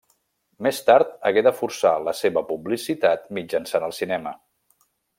Més tard hagué de forçar la seva publicitat mitjançant el cinema.